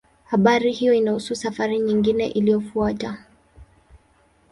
Habari hiyo inahusu safari nyingine iliyofuata.